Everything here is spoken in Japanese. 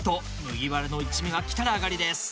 麦わらの一味がきたらあがりです。